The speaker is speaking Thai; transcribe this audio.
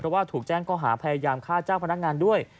เพราะว่าถูกแจ้งก็หาพยายามฆ่าเจ้าพนักงานด้วย